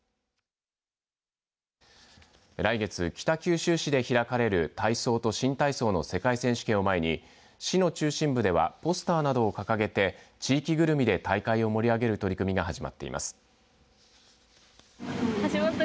来月、北九州市で開かれる体操と新体操の世界選手権を前に市の中心部ではポスターなどを掲げて地域ぐるみで大会を盛り上げる取り組みが始まっています。